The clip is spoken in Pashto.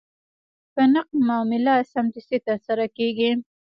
په نقد معامله سمدستي ترسره کېږي.